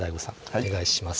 お願いします